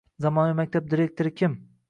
Zamonaviy maktab direktori kim?